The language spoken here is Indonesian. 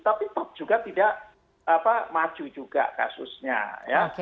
tapi tetap juga tidak apa maju juga kasusnya ya